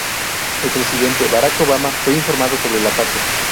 El presidente Barack Obama fue informado sobre el ataque.